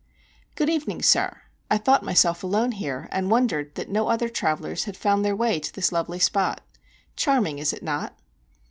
"Good evening, sir. I thought myself alone here, and wondered that no other travellers had found their way to this lovely spot. Charming, is it not?"